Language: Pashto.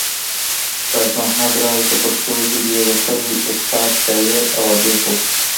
راز محمد راز د پښتو ژبې يو وتلی استاد، شاعر او اديب وو